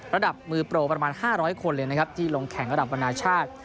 ระดับมือโปรประมาณ๕๐๐คนเลยนะครับที่ลงแข่งระดับบรรณาชาติ